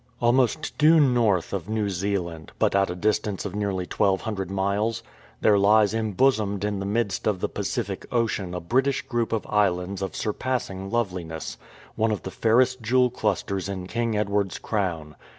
A LMOST due north of New Zealand, but at a distance JL\ of nearly 1200 miles, there lies embosomed in the midst of the Pacific Ocean a British group of islands of surpassing loveliness — one of the fairest jewel clusters in King Edward'^s crown.